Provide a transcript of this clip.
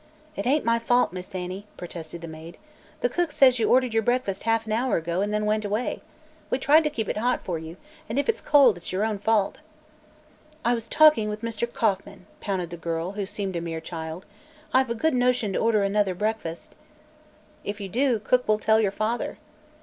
"It ain't my fault, Miss Annie," protested the maid. "The cook says you ordered your breakfast half an hour ago, an' then went away. We tried to keep it hot for you, and if it's cold it's your own fault." "I was talking with Mr. Kauffman," pouted the girl, who seemed a mere child. "I've a good notion to order another breakfast." "If you do, cook will tell your father."